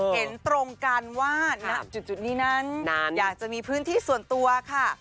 เห็นตรงกันว่าณจุดนี้นั้นอยากจะมีพื้นที่ส่วนตัวค่ะ